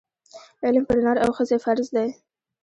علم پر نر او ښځي فرض دی